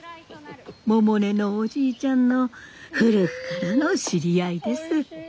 百音のおじいちゃんの古くからの知り合いです。